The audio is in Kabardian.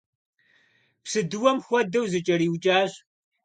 Псыдыуэм хуэдэу зыкӏэриукӏащ.